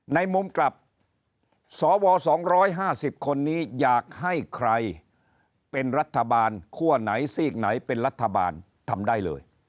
ในมุมกลับสว๒๕๐คนนี้อยากให้ใครเป็นรัฐบาลคั่วไหนซีกไหนเป็นรัฐบาลทำได้เลย